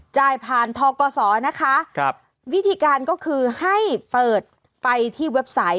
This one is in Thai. จ่ายผ่านทกศนะคะครับวิธีการก็คือให้เปิดไปที่เว็บไซต์